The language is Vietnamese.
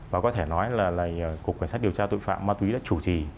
và có thể nói là cục cảnh sát điều tra tội phạm ma túy đã chủ trì